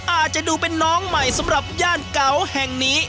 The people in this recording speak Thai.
อาจจะดูเป็นน้องใหม่สำหรับย่านเก่าแห่งนี้